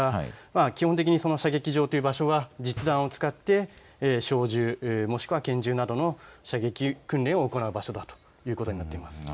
基本的に射撃場という場所が実弾を使って小銃、もしくは拳銃などの射撃訓練を行う場所だということになっています。